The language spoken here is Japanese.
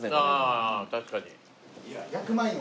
ああ確かに。